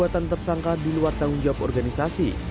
dan disangkakan perbuatan tersangka di luar tanggung jawab organisasi